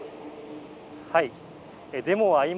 はい。